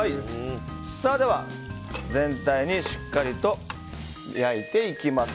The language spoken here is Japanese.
では、全体をしっかりと焼いていきます。